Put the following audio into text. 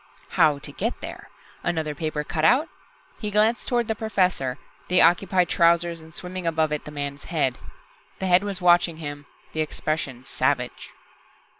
How to get there? Another paper cutout? He glanced toward the Professor the occupied trousers, and swimming above it, the man's head. The head was watching him, the expression savage.